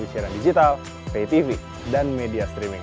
apakah mereka akan menang